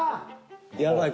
やばい。